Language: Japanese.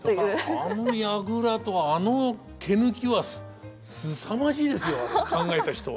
あの櫓とあの毛抜きはすさまじいですよあれ考えた人は。